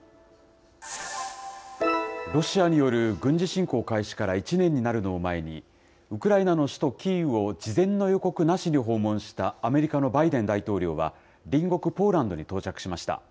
ロシアによる軍事侵攻開始から１年になるのを前に、ウクライナの首都キーウを事前の予告なしに訪問したアメリカのバイデン大統領は、隣国ポーランドに到着しました。